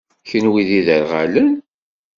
Kenwi d iderɣalen?